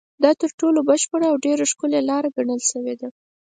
دا تر ټولو بشپړه او ډېره ښکلې لاره ګڼل شوې ده.